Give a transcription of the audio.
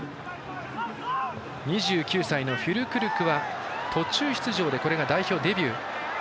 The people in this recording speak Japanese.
２９歳のフィルクルクは途中出場でこれが代表デビュー。